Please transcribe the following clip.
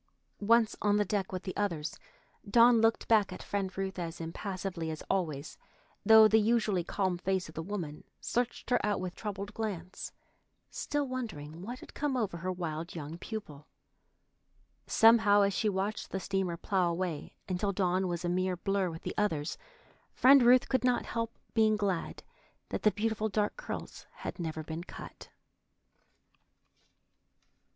Once on the deck with the others, Dawn looked back at Friend Ruth as impassively as always, though the usually calm face of the woman searched her out with troubled glance, still wondering what had come over her wild young pupil. Somehow, as she watched the steamer plough away until Dawn was a mere blur with the others, Friend Ruth could not help being glad that the beautiful dark curls had never been cut.